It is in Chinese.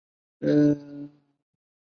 尚书瞿景淳之次子。